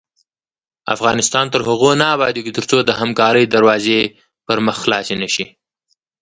افغانستان تر هغو نه ابادیږي، ترڅو د همکارۍ دروازې پر مخ خلاصې نه وي.